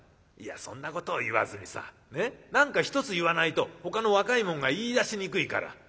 「いやそんなことを言わずにさねっ何か１つ言わないとほかの若いもんが言いだしにくいから」。